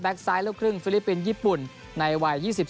ไซต์ลูกครึ่งฟิลิปปินส์ญี่ปุ่นในวัย๒๔